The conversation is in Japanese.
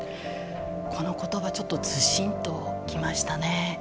この言葉ちょっとズシンと来ましたね。